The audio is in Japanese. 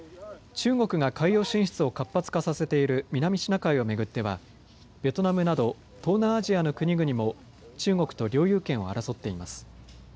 中国が海洋進出を活発化させている南シナ海を巡ってはベトナムなど東南アジアの国々も中国と領有権を争っています。